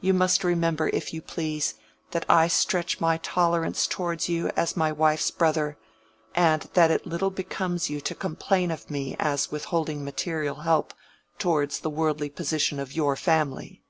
You must remember, if you please, that I stretch my tolerance towards you as my wife's brother, and that it little becomes you to complain of me as withholding material help towards the worldly position of your family.